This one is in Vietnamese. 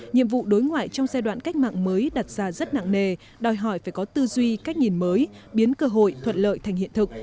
nhiệm vụ đối ngoại trong giai đoạn cách mạng mới đặt ra rất nặng nề đòi hỏi phải có tư duy cách nhìn mới biến cơ hội thuận lợi thành hiện thực